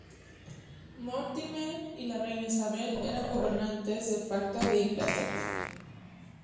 Mortimer y la reina Isabel eran gobernantes "de facto" de Inglaterra.